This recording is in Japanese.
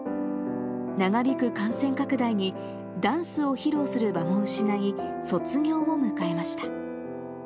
長引く感染拡大にダンスを披露する場も失い、卒業を迎えました。